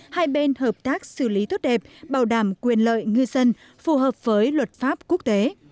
hai bên hợp tác xử lý tốt đẹp bảo đảm quyền lợi ngư dân phù hợp với luật pháp quốc tế